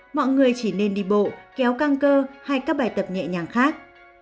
mọi người chỉ nên đi bộ kéo căng cơ hay các bài tập nhẹ nhàng khác